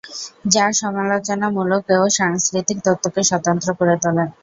যা সমালোচনামূলক ও সাংস্কৃতিক তত্ত্বকে স্বতন্ত্র করে তোলে।